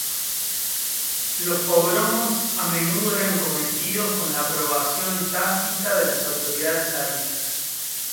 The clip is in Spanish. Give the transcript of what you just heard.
Los pogromos a menudo eran cometidos con la aprobación tácita de las autoridades zaristas.